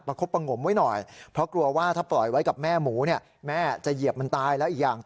คบประงมไว้หน่อยเพราะกลัวว่าถ้าปล่อยไว้กับแม่หมูเนี่ยแม่จะเหยียบมันตายแล้วอีกอย่าง